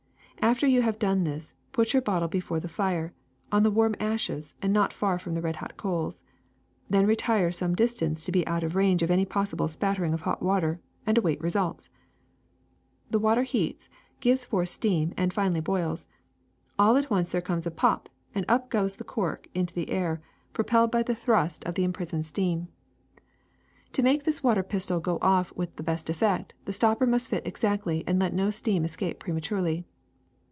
After you have done this put your bottle before the fire, on the warm ashes and not far from the red hot coals. Then retire some distance, to be out of range of any possible spattering of hot water, and await results. ^'The water heats, gives forth steam, and finally boils. All at once there comes a pop, and up goes the cork into the air, propelled by the thrust of the 359 S60 THE SECRET OF EVERYDAY THINGS imprisoned steam. To make this water pistol go off with the best effect, the stopper must fit exactly and let no steam escape prematurely.